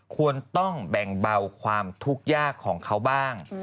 ควรต้องแบ่งเบาความทุกข์ยากของเขาบ้าง